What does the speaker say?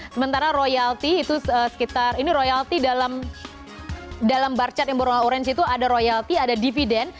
sementara royalti itu sekitar ini royalti dalam barcat yang berwarna orange itu ada royalti ada dividen